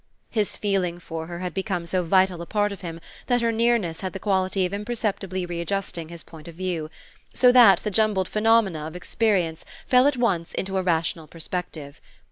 His feeling for her had become so vital a part of him that her nearness had the quality of imperceptibly readjusting his point of view, so that the jumbled phenomena of experience fell at once into a rational perspective.